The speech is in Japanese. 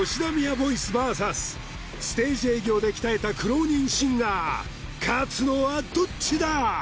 ボイスＶＳステージ営業で鍛えた苦労人シンガー勝つのはどっちだ？